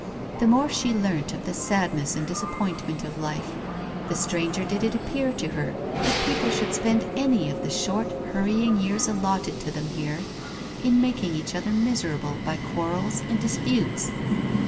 The more she learnt of the sadness and dis appointment of life, the stranger did it appear to her that people should spend any of the short, hurrying years allotted to them here, in making each other miserable by quarrels and disputes.